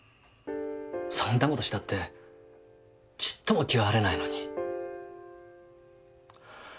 そんな事したってちっとも気は晴れないのに。